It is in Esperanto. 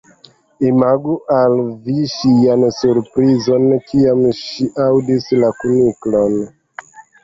Imagu al vi ŝian surprizon kiam ŝi aŭdis la kuniklon.